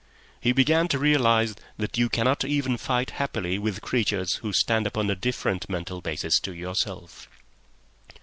He began to realise that you cannot even fight happily with creatures who stand upon a different mental basis to yourself.